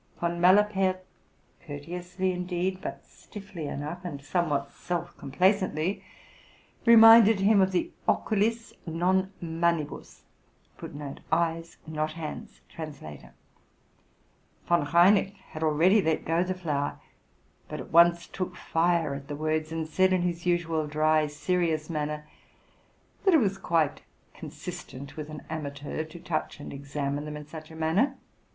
Von Malapert courteously, indeed, but stiffly enough, and somewhat self complacently, reminded him of the Oculis, non manibus.!. Von Reineck had already let go the flower, but at once took fire at the words, and said in his usual dry, serious manner, that it was quite consistent with an amateur to touch and examine them in such a manner.